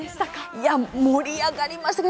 いや、盛り上がりましたね。